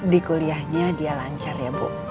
di kuliahnya dia lancar ya bu